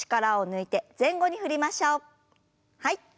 はい。